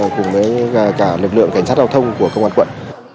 cả lực lượng cảnh sát giao thông của công an quận